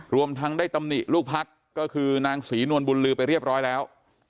รวมทั้งได้ตำหนิลูกพักก็คือนางศรีนวลบุญลือไปเรียบร้อยแล้ว